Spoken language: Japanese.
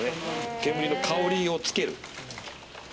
煙の香りをつける。